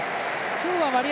今日は割合